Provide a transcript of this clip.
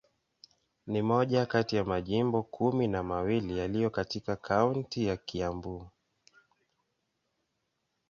Ni moja kati ya majimbo kumi na mawili yaliyo katika kaunti ya Kiambu.